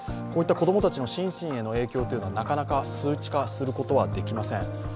こういった子供たちの心身への影響はなかなか数値化することができません。